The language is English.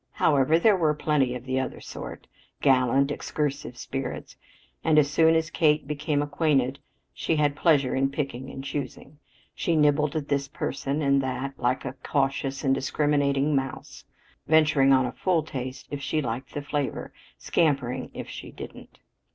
However, there were plenty of the other sort gallant, excursive spirits, and as soon as Kate became acquainted she had pleasure in picking and choosing. She nibbled at this person and that like a cautious and discriminating mouse, venturing on a full taste if she liked the flavor, scampering if she didn't.